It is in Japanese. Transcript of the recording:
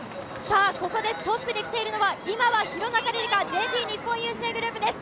ここでトップで来ているのは、今は廣中璃梨佳、ＪＰ日本郵政グループです。